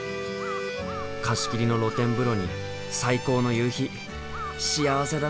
貸し切りの露天風呂に最高の夕日幸せだな。